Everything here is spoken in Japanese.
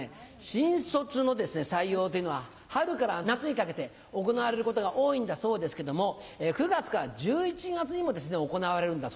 新卒の採用というのは春から夏にかけて行われることが多いんだそうですけども９月から１１月にも行われるんだそうですね。